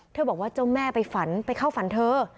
บอกว่าเจ้าแม่ไปฝันไปเข้าฝันเธอ